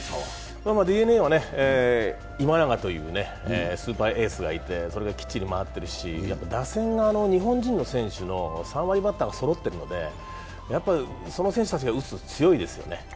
ＤｅＮＡは今永というスーパーエースがいて、それがきっちり回ってるし打線が日本人の選手の３割バッターがそろってるので、その選手たちが打つと強いですよね。